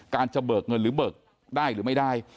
จะเบิกเงินหรือเบิกได้หรือไม่ได้